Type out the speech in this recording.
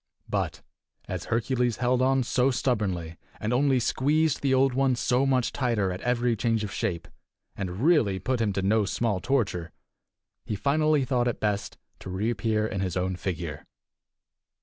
But as Hercules held on so stubbornly, and only squeezed the Old One so much the tighter at every change of shape, and really put him to no small torture, he finally thought it best to reappear in his own figure.